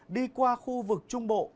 đi qua khu vực trung bộ